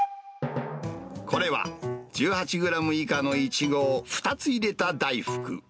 これは１８グラム以下のイチゴを２つ入れた大福。